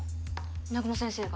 南雲先生が？